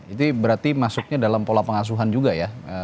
itu berarti masuknya dalam pola pengasuhan juga ya